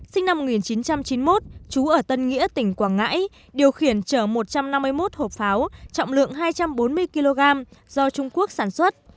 sinh năm một nghìn chín trăm chín mươi một trú ở tân nghĩa tỉnh quảng ngãi điều khiển chở một trăm năm mươi một hộp pháo trọng lượng hai trăm bốn mươi kg do trung quốc sản xuất